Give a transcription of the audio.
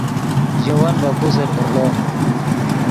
ژے ون ڤے پوسر ڤرڑو